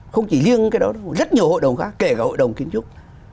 không chỉ riêng cái đó rất nhiều hội đồng khác kể cả hội đồng kiến trúc